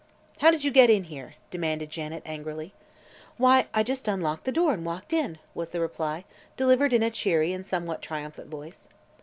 "How did you get in here?" demanded Janet angrily. "Why, I just unlocked the door and walked in," was the reply, delivered in a cheery and somewhat triumphant voice.